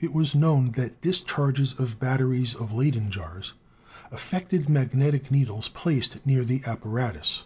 It was known that discharges of bat teries of Leyden jars affected magnetic needles placed near the apparatus."